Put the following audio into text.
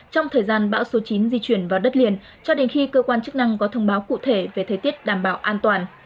trong thời gian bão số chín di chuyển vào đất liền cho đến khi cơ quan chức năng có thông báo cụ thể về thời tiết đảm bảo an toàn